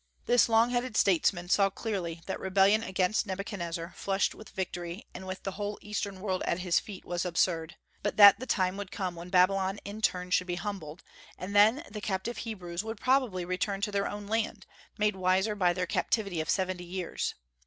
This long headed statesman saw clearly that rebellion against Nebuchadnezzar, flushed with victory, and with the whole Eastern world at his feet, was absurd; but that the time would come when Babylon in turn should be humbled, and then the captive Hebrews would probably return to their own land, made wiser by their captivity of seventy years.